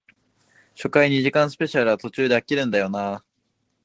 初回二時間スペシャルは途中で飽きるんだよなあ